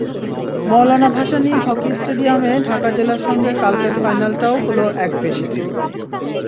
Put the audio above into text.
Maulana Bhashani hockey স্টেডিয়ামে ঢাকা জেলার সঙ্গে কালকের ফাইনালটাও হলো একপেশে।